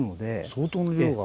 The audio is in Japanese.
相当の量が。